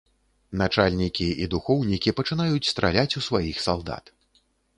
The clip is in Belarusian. Начальнікі і духоўнікі пачынаюць страляць у сваіх салдат.